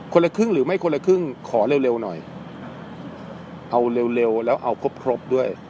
คนละครึ่งหรือไม่คนละครึ่งขอเร็วหน่อยเอาเร็วแล้วเอาครบครบด้วย